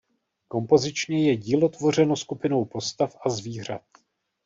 Kompozičně je dílo tvořeno skupinou postav a zvířat.